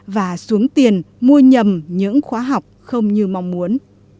và xuống tiền mua nhầm những khóa học không như mong muốn